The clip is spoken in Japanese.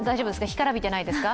干からびてないですか？